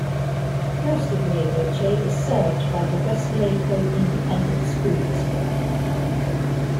Most of Mila Doce is served by the Weslaco Independent School District.